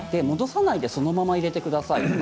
戻さないでそのまま入れてください